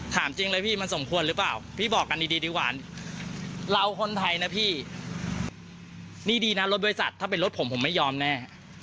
ถามจริงเลยพี่มันสมควรหรือเปล่าพี่บอกกันดีดีกว่าเราคนไทยนะพี่นี่ดีนะรถบริษัทถ้าเป็นรถผมผมไม่ยอมแน่